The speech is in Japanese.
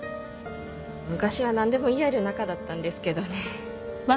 昔は何でも言い合える仲だったんですけどね。